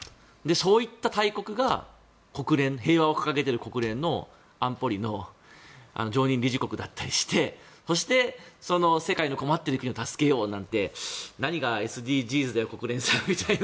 そういった大国が平和を掲げている国連の安保理の常任理事国だったりしてそして、世界で困っている国を助けようなんて何がＳＤＧｓだよ、国連さんみたいな。